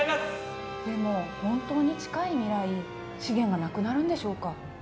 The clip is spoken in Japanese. でも本当に近い未来資源が無くなるんでしょうか？